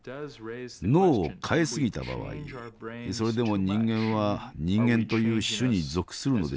脳を変えすぎた場合それでも人間は人間という種に属するのでしょうか。